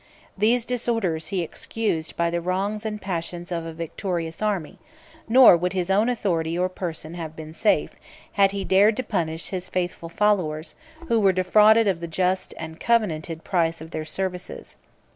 48 These disorders he excused by the wrongs and passions of a victorious army; nor would his own authority or person have been safe, had he dared to punish his faithful followers, who were defrauded of the just and covenanted price of their services.